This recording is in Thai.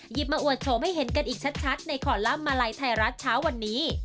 มาอวดโฉมให้เห็นกันอีกชัดในคอลัมป์มาลัยไทยรัฐเช้าวันนี้